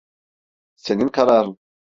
Senin kararın.